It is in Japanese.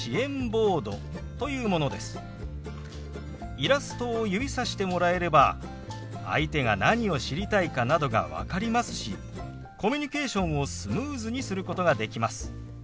イラストを指さしてもらえれば相手が何を知りたいかなどが分かりますしコミュニケーションをスムーズにすることができます。